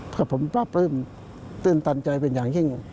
กับผมรับภึมตื่นตันใจเป็นอย่างยิ่ง